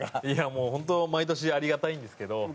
いやもうホント毎年ありがたいんですけど。